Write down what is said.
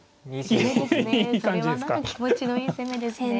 それは気持ちのいい攻めですね。